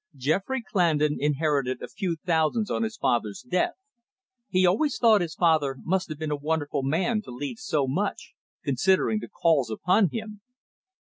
Geoffrey Clandon inherited a few thousands on his father's death; he always thought his father must have been a wonderful man to leave so much, considering the calls upon him.